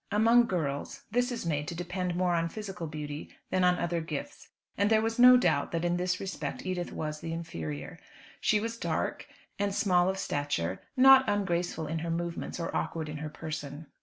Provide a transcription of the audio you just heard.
Among girls this is made to depend more on physical beauty than on other gifts, and there was no doubt that in this respect Edith was the inferior. She was dark, and small of stature, not ungraceful in her movements, or awkward in her person.